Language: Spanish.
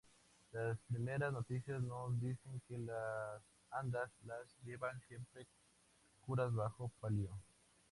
Las primeras noticias nos dicen que las andas las llevaban siempre curas bajo palio.